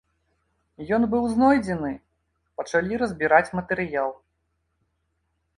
Ён быў знойдзены, пачалі разбіраць матэрыял.